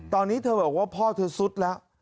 ตอนนี้เธอบอกว่าพ่อเธอสุดแล้ว